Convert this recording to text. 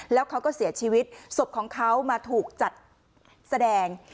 แล้วเขาก็เสียชีวิตศพของเขามาถูกจัดแสดง